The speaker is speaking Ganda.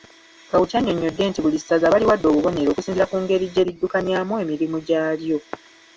Kawuki annyonnyodde nti buli ssaza baliwadde obubonero okusinziira ku ngeri gye liddukanyaamu emirimu gyalyo.